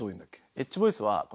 エッジボイスはこの。